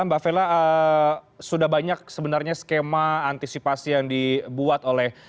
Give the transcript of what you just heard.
mbak vela sudah banyak sebenarnya skema antisipasi yang dibuat oleh